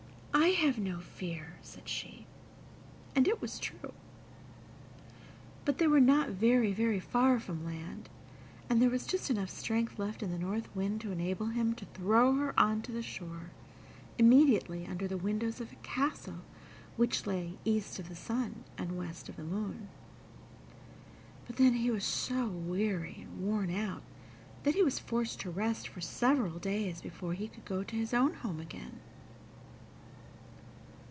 "I have no fear," said she; and it was true. But they were not very, very far from land, and there was just enough strength left in the North Wind to enable him to throw her on to the shore, immediately under the windows of a castle which lay east of the sun and west of the moon; but then he was so weary and worn out that he was forced to rest for several days before he could go to his own home again.